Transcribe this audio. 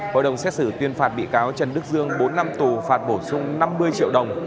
hội đồng xét xử tuyên phạt bị cáo trần đức dương bốn năm tù phạt bổ sung năm mươi triệu đồng